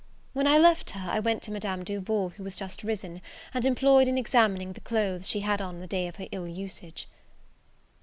When I left her, I went to Madame Duval, who was just risen, and employed in examining the clothes she had on the day of her ill usage.